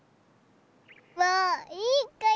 もういいかい？